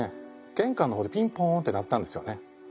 玄関の方でピンポーンって鳴ったんですよね。